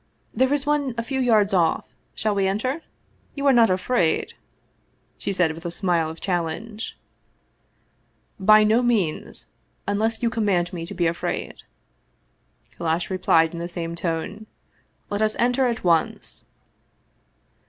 "There is one a few yards off. Shall we enter? You are not afraid? " she said with a smile of challenge. " By no means unless you command me to be afraid," Kallash replied in the same tone. " Let us enter at once